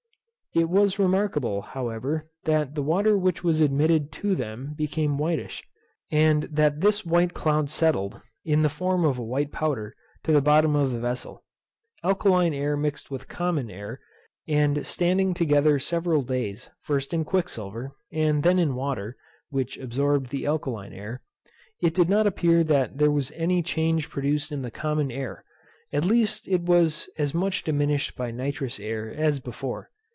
It was remarkable, however, that the water which was admitted to them became whitish, and that this white cloud settled, in the form of a white powder, to the bottom of the vessel. Alkaline air mixed with common air, and standing together several days, first in quicksilver, and then in water (which absorbed the alkaline air) it did not appear that there was any change produced in the common air: at least it was as much diminished by nitrous air as before.